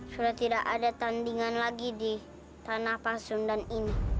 sudah tidak ada tandingan lagi di tanah pasundan ini